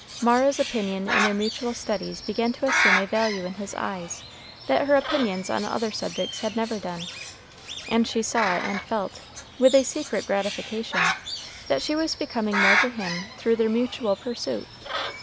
Mara's opinion in their mutual studies began to assume a value in his eyes that her opinions on other subjects had never done, and she saw and felt, with a secret gratification, that she was becoming more to him through their mutual pursuit.